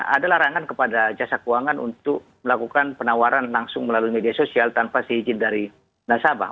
ada larangan kepada jasa keuangan untuk melakukan penawaran langsung melalui media sosial tanpa seizin dari nasabah